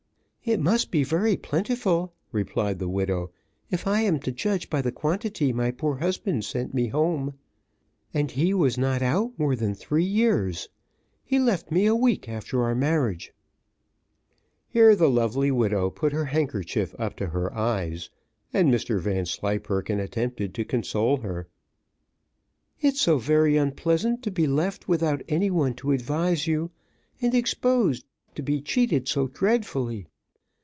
"It must be very plentiful," replied the widow, "if I am to judge by the quantity my poor husband sent me home, and he was not out more than three years. He left me a week after our marriage." Here the lovely widow put her handkerchief up to her eyes, and Mr Vanslyperken attempted to console her. "It's so very unpleasant to be left without any one to advise you, and exposed to be cheated so dreadfully.